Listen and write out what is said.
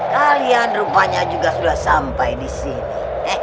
kalian rupanya juga sudah sampai di sini